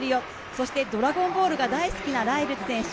そして「ドラゴンボール」が大好きなライルズ選手。